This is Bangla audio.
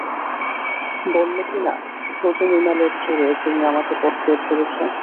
বললে কিনা ভুজমৃণালের জোরে তুমি আমাকে পথে বের করেছ!